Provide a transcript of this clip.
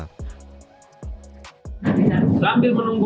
sambil menunggu ayamnya dimarinasi